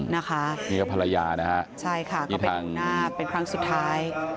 นะคะนี่ก็ภรรยานะฮะใช่ค่ะก็ไปดูหน้าเป็นครั้งสุดท้าย